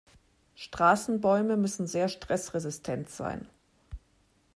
Straßenbäume müssen sehr stressresistent sein.